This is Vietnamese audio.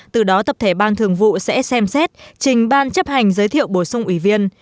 từ đó tập thể ban thường vụ sẽ xem xét trình ban chấp hành giới thiệu bổ sung ủy viên